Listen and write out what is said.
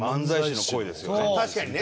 確かにね。